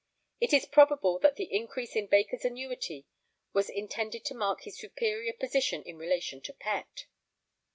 It is probable that the increase in Baker's annuity was intended to mark his superior position in relation to Pett.